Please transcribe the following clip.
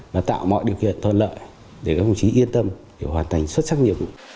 và tạo mọi điều kiện thuận lợi để các đồng chí yên tâm để hoàn thành xuất sắc nhiệm vụ